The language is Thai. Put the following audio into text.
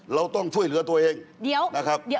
เราต้องช่วยเหลือตัวเองเดี๋ยวนะครับ